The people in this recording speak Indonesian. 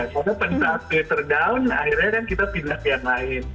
karena pada saat twitter down akhirnya kan kita pindah ke yang lain